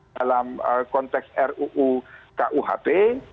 dalam konteks ruu kuhp